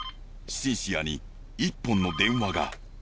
シンシアに一本の電話が。